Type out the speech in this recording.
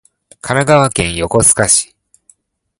神奈川県横須賀市